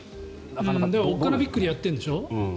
でもおっかなびっくりやってるんでしょ？